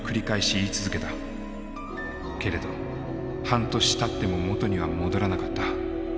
けれど半年たっても元には戻らなかった。